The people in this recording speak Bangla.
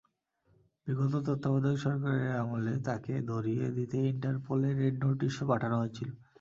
বিগত তত্ত্বাবধায়ক সরকারের আমলে তাঁকে ধরিয়ে দিতে ইন্টারপোলে রেড নোটিশও পাঠানো হয়েছিল।